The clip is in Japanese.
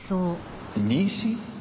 妊娠？